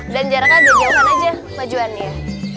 jaren jaren aja jauhan aja majuannya